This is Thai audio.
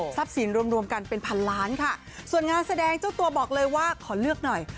สินรวมรวมกันเป็นพันล้านค่ะส่วนงานแสดงเจ้าตัวบอกเลยว่าขอเลือกหน่อย